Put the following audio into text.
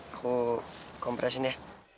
aku kompresin ya